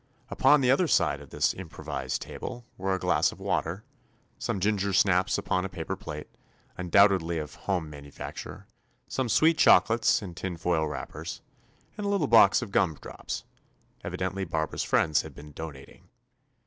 Upon the 201 THE ADVENTURES OF other side of this improvised table were a glass of water, some ginger snaps upon a paper plate, undoubt edly of home manufacture, some sweet chocolates in tinfoil wrappers, and a little box of gumdrops; evi dently Barbara's friends had been do nating.